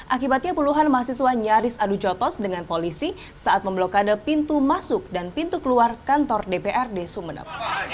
akibatnya puluhan mahasiswa nyaris adu jotos dengan polisi saat memblokade pintu masuk dan pintu keluar kantor dprd sumeneb